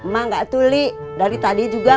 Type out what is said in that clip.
mak gak tuli dari tadi juga